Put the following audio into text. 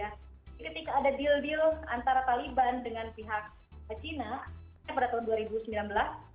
ketika ada deal deal antara taliban dengan pihak cina pada tahun dua ribu sembilan belas